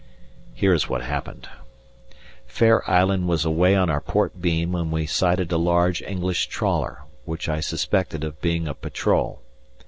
Here is what happened: Fair Island was away on our port beam when we sighted a large English trawler, which I suspected of being a patrol.